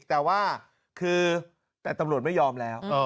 แต่ว่าคือแต่ตำรวจไม่ยอมแล้ว